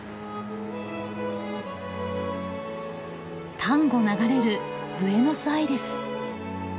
タンゴ流れるブエノスアイレス。